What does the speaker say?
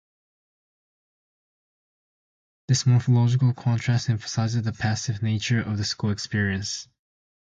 This morphological contrast emphasizes the passive nature of the school experience.